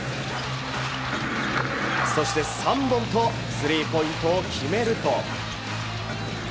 そして３本とスリーポイントを決めると。